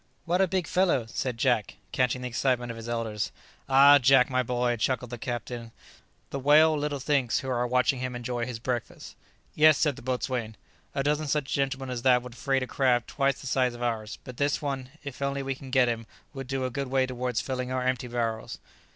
"What a big fellow!" said Jack, catching the excitement of his elders. [Illustration: "What a big fellow!"] "Ah, Jack, my boy," chuckled the captain, "the whale little thinks who are watching him enjoy his breakfast!" "Yes," said the boatswain; "a dozen such gentlemen as that would freight a craft twice the size of ours; but this one, if only we can get him, will go a good way towards filling our empty barrels."